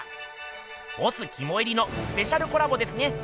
ボスきもいりのスペシャルコラボですね。